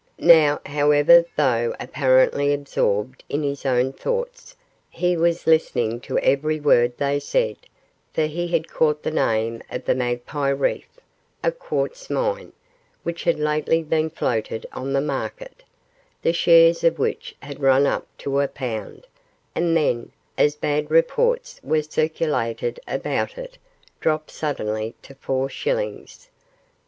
Now, however, though apparently absorbed in his own thoughts, he was listening to every word they said, for he had caught the name of The Magpie Reef, a quartz mine, which had lately been floated on the market, the shares of which had run up to a pound, and then, as bad reports were circulated about it, dropped suddenly to four shillings.